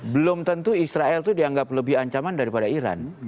belum tentu israel itu dianggap lebih ancaman daripada iran